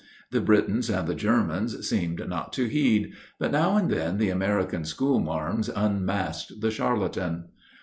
The Britons and the Germans seemed not to heed; but now and then the American school marms unmasked the charlatan.